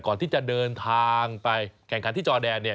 ก่อนที่จะเดินทางไปแข่งขันที่จอแดนเนี่ย